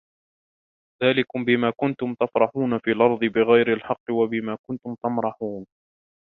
ذَلِكُمْ بِمَا كُنْتُمْ تَفْرَحُونَ فِي الْأَرْضِ بِغَيْرِ الْحَقِّ وَبِمَا كُنْتُمْ تَمْرَحُونَ